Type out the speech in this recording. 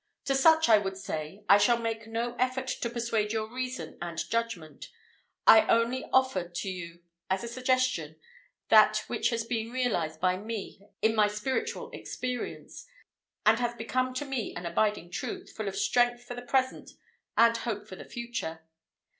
To such I would say, I shall make no effort to persuade your reason and judgment. I only offer to you as a suggestion, that which has been realized by me in my spiritual experience, and has become to me an abiding truth, full of strength for the present, and hope for the future.